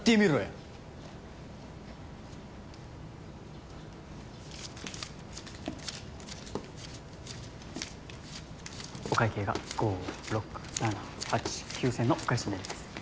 パサッパサッパサッお会計が５６７８９０００円のお返しになります。